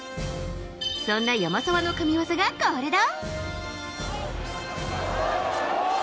そんな山沢の神技がこれだ。